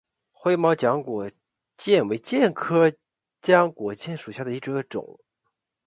灰毛浆果楝为楝科浆果楝属下的一个种。